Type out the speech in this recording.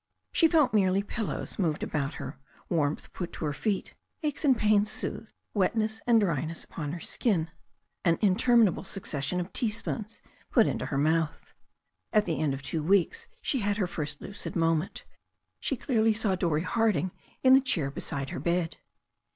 She felt merely pillows moved about her, warmth put to her feet, aches and pains soothed, wetness and dryness upon her skin, an interminable succession of teaspoons put into her mouth. At the end of two weeks she had her first lucid moment. She clearly saw Dorrie Harding in the chair beside her bed.